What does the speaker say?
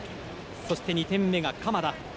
そして２点目、鎌田。